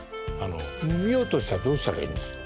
見ようとしたらどうしたらいいんですか？